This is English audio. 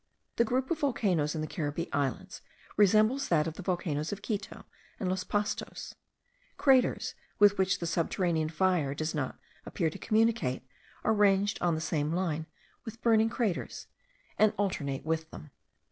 The group of volcanoes in the Caribbee Islands resembles that of the volcanoes of Quito and Los Pastos; craters with which the subterranean fire does not appear to communicate are ranged on the same line with burning craters, and alternate with them.